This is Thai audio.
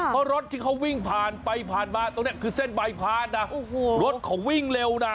เพราะรถที่เขาวิ่งผ่านไปผ่านมาตรงนี้คือเส้นใบพานนะโอ้โหรถเขาวิ่งเร็วนะ